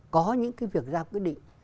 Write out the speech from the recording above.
có những cái việc ra quyết định